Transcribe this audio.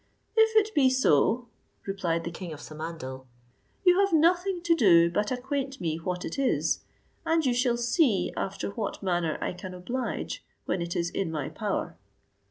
"If it be so," replied the king of Samandal, "you have nothing to do but acquaint me what it is, and you shall see after what manner I can oblige when it is in my power."